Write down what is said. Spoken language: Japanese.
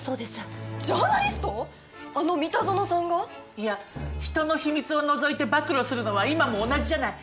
いや人の秘密をのぞいて暴露するのは今も同じじゃない。